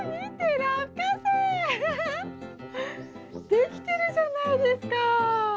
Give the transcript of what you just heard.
できてるじゃないですか！